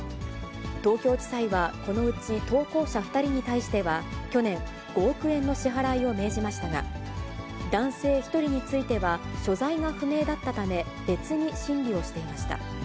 東京地裁はこのうち投稿者２人に対しては、去年、５億円の支払いを命じましたが、男性１人については所在が不明だったため、別に審理をしていました。